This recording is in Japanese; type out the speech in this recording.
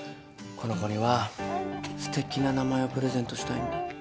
この子にはすてきな名前をプレゼントしたいんだ。